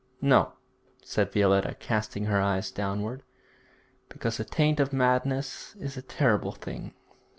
'No,' said Violetta, casting her eyes downward, 'because the taint of madness is a terrible thing.'